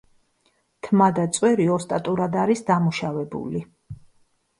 თმა და წვერი ოსტატურად არის დამუშავებული.